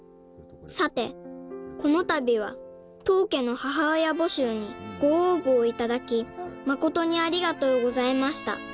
「さてこのたびは当家の母親募集にご応募をいただき」「誠にありがとうございました」